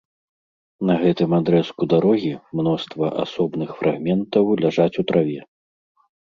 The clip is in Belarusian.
На гэтым адрэзку дарогі мноства асобных фрагментаў ляжаць у траве.